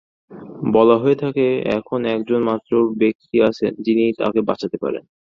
বলা হয়ে থাকে, এখন একজন মাত্র ব্যক্তি আছেন, যিনি তাঁকে বাঁচাতে পারেন।